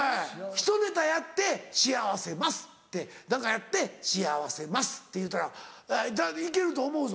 ひとネタやって「幸せます」って何かやって「幸せます」って言うたら行けると思うぞ。